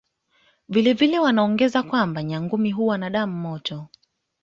Vile vile wanaongeza kwamba Nyangumi huwa na damu motoY